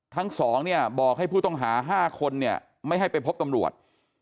ทั้งสองเนี่ยบอกให้ผู้ต้องหา๕คนเนี่ยไม่ให้ไปพบตำรวจ